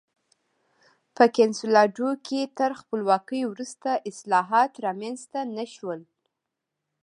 په کنسولاډو کې تر خپلواکۍ وروسته اصلاحات رامنځته نه شول.